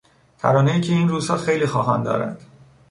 ترانهای که این روزها خیلی خواهان دارد